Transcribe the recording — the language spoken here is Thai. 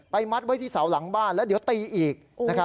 มัดไว้ที่เสาหลังบ้านแล้วเดี๋ยวตีอีก